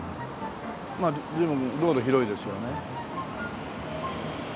まあ随分道路広いですよね。